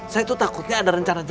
saya tuh takutnya ada rencana jelas